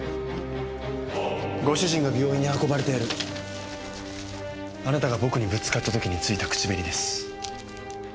ご主人が病院に運ばれた夜あなたが僕にぶつかった時に付いた口紅です。